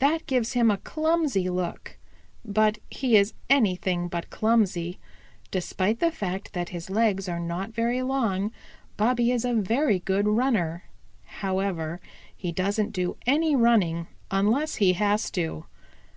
That gives him a clumsy look, but he is anything but clumsy. Despite the fact that his legs are not very long Bobby is a very good runner. However, he doesn't do any running unless he has to.